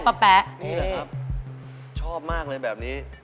ป๊อปแป๊ะเล็กซักนึงเนอะ